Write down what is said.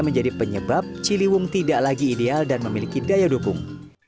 menjadi penyebab ciliwung tidak lagi ideal dan memiliki daya dukung